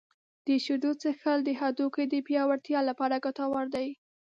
• د شیدو څښل د هډوکو د پیاوړتیا لپاره ګټور دي.